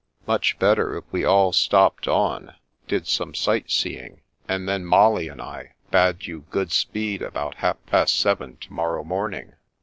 " Much better if we all ^topped on, did some sightseeing, and then Molly and I bade you good speed about half past seven to morrow morning."